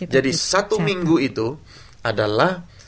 jadi satu minggu itu adalah